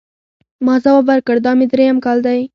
ما ځواب ورکړ، دا مې درېیم کال دی.